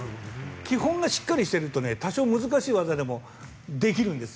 基本がしっかりしていると多少難しい技でもできるんです。